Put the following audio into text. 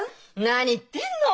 何言ってんの！